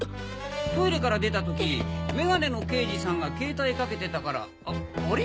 トイレから出た時メガネの刑事さんがケータイかけてたからあれ？